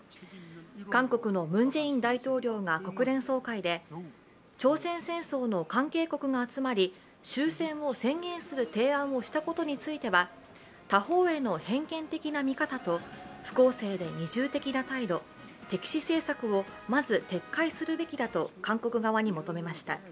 韓国のムン・ジェイン大統領が国連総会で朝鮮戦争の関係国が集まり終戦を宣言する提案をしたことについては他方への偏見的な見方と不公正で二重的な態度、敵視政策をまず撤回すべきだと、韓国側に求めました。